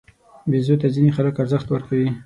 بیزو ته ځینې خلک ارزښت ورکوي.